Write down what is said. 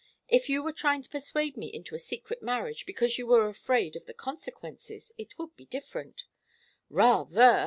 If you were trying to persuade me to a secret marriage because you were afraid of the consequences, it would be different " "Rather!"